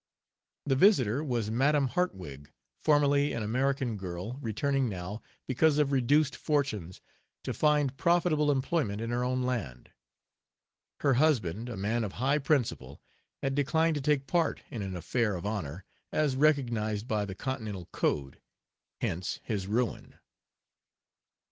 The visitor was Madam Hartwig, formerly an American girl, returning now, because of reduced fortunes, to find profitable employment in her own land. Her husband, a man of high principle, had declined to take part in an "affair of honor," as recognized by the Continental code; hence his ruin.